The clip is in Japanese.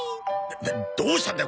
どうしたんだよ？